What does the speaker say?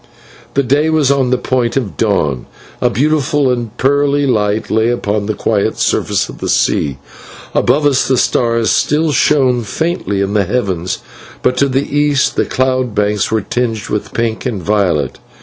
The day was on the point of dawn; a beautiful and pearly light lay upon the quiet surface of the sea; above us the stars still shone faintly in the heavens, but to the east the cloud banks were tinged with pink and violet.